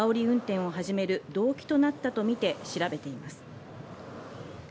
運転を始める動機となったとみて調べています。